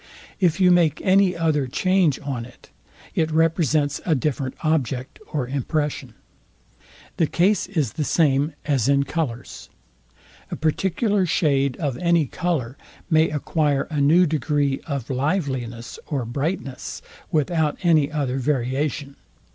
If you make any other change on it, it represents a different object or impression. The case is the same as in colours. A particular shade of any colour may acquire a new degree of liveliness or brightness without any other variation.